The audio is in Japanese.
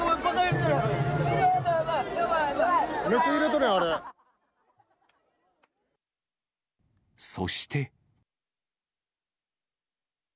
めっちゃ揺れとるやん、そして。